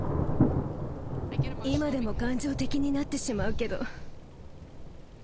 今でも感情的になってしまうけど。